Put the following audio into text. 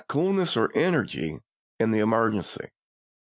coolness or energy in the emergency.